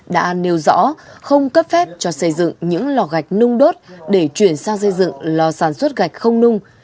đã nêu rõ không cấp phép cho xây dựng những lò gạch nung đốt để chuyển sang xây dựng lò sản xuất gạch không nung